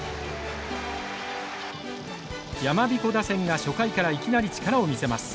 やまびこ打線が初回からいきなり力を見せます。